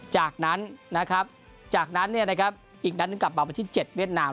จากนั้นนะครับอีกนั้นกลับมาวันที่๗เวียดนาม